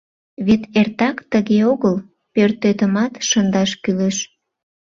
Вет эртак тыге огыл, пӧртетымат шындаш кӱлеш.